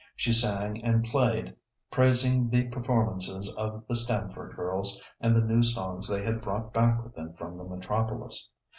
She sang and played, praising the performances of the Stamford girls and the new songs they had brought back with them from the metropolis.